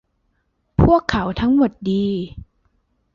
พวกเขาทั้งหมดดี